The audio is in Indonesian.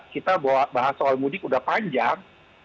kita bahas soal mudik udah panjang